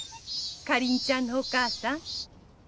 かりんちゃんのお母さん。